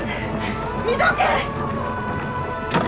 見とけ！